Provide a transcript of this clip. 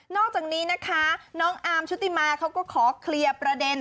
อกจากนี้นะคะน้องอาร์มชุติมาเขาก็ขอเคลียร์ประเด็น